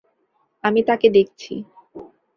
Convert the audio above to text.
আমি তাকে দেখছি।